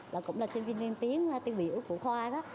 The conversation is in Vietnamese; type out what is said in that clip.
và cũng là sinh viên niên tiếng tư vĩ ức của khoa